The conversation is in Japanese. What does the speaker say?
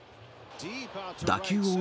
打球を追う